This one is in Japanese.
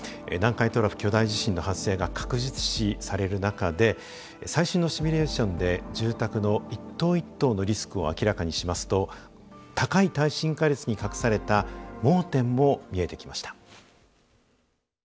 南海トラフ巨大地震の発生が確実視される中で最新のシミュレーションで住宅の一棟一棟のリスクを明らかにしますと高い耐震化率に隠された盲点も見えてきました。